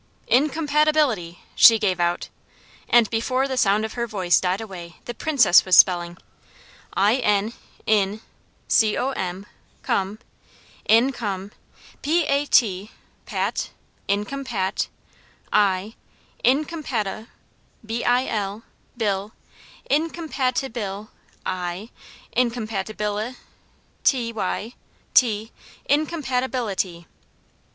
"Incompatibility," she gave out, and before the sound of her voice died away the Princess was spelling: "I n, in, c o m, com, in com, p a t, pat, incompat, i, incompati, b i l, bil, incompatibil, i, incompatibili, t y, ty, incompatibility."